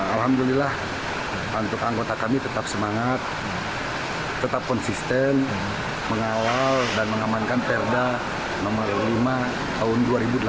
alhamdulillah untuk anggota kami tetap semangat tetap konsisten mengawal dan mengamankan perda nomor lima tahun dua ribu delapan belas